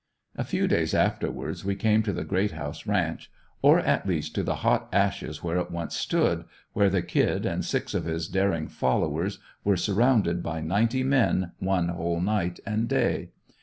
A few days afterwards we came to the Greathouse ranch, or at least to the hot ashes where it once stood, where "Kid" and six of his daring followers were surrounded by ninety men one whole night and day.